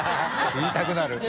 言いたくなる。